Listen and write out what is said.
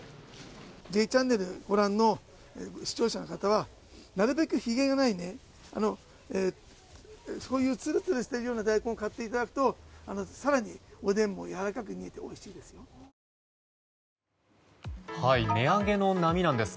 「Ｊチャンネル」をご覧の視聴者の方はなるべくひげがないそういうツルツルしている大根を買っていただくと更に、おでんもやわらかく煮えておいしいです。